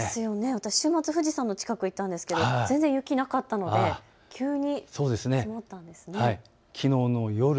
私、週末、富士山の近くに行ったんですけど雪があまりなかったので急に積もったんですね。